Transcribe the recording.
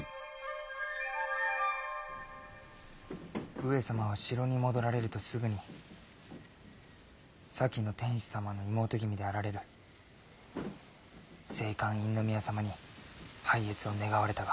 上様は城に戻られるとすぐに先の天子様の妹君であられる静寛院宮様に拝謁を願われたが。